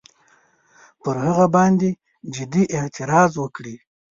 پر هغه باندي جدي اعتراض وکړي.